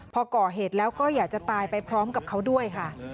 พอก่อเหตุแล้วก็อยากจะตายไปพร้อมกับเขาด้วยค่ะ